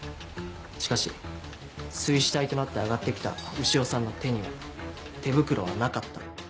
しかし水死体となって上がって来た潮さんの手には手袋はなかった。